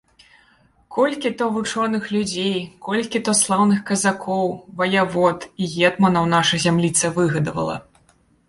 Колькі то вучоных людзей, колькі то слаўных казакоў, ваявод і гетманаў наша зямліца выгадавала?